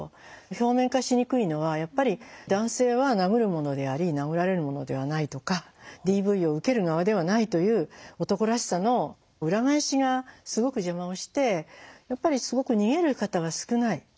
表面化しにくいのはやっぱり男性は殴るものであり殴られるものではないとかＤＶを受ける側ではないという男らしさの裏返しがすごく邪魔をしてやっぱりすごく逃げる方が少ない。